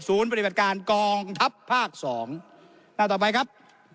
ศูนย์ปฏิบัติการกองทัพภาค๒หน้าต่อไปครับ